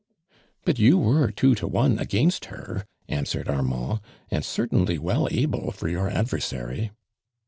"But you were two to one against her," answered Armand, "and certainly well able for your adversary."